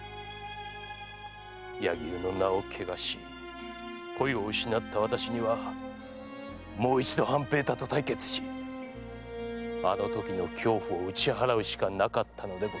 柳生の名を汚し恋を失った私にはもう一度半平太と対決しあのときの恐怖を打ち払うしかなかったのでございます。